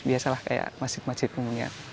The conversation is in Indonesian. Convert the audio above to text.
biasalah kayak masjid masjid hunian